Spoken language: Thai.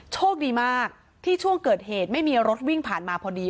โชคดีมากที่ช่วงเกิดเหตุไม่มีรถวิ่งผ่านมาพอดี